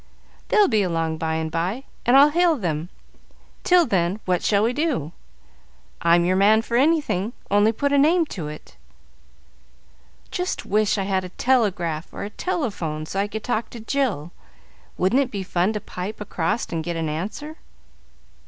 "They'll be along by and by, and I'll hail them. Till then, what shall we do? I'm your man for anything, only put a name to it." "Just wish I had a telegraph or a telephone, so I could talk to Jill. Wouldn't it be fun to pipe across and get an answer!"